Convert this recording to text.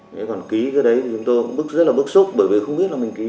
nếu còn ký cái đấy thì chúng tôi cũng rất là bức xúc bởi vì không biết là mình ký cái gì